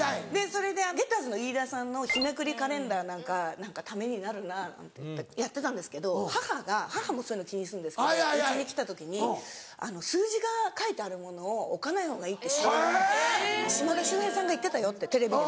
それでゲッターズの飯田さんの日めくりカレンダーなんか何かためになるなぁなんていってやってたんですけど母もそういうの気にするんですけどうちに来た時に数字が書いてあるものを置かない方がいいって島田秀平さんが言ってたよってテレビで。